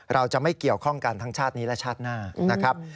เราจะไม่เกี่ยวข้องกันทั้งชาตินี้และชาติหน้านะครับ